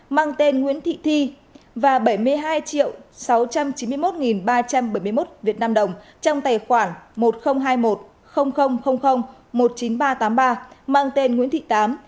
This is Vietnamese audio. một mươi một mươi bốn nghìn bảy trăm ba mươi ba mang tên nguyễn thị thi và bảy mươi hai sáu trăm chín mươi một ba trăm bảy mươi một vnđ trong tài khoản một nghìn hai mươi một một mươi chín nghìn ba trăm tám mươi ba mang tên nguyễn thị tám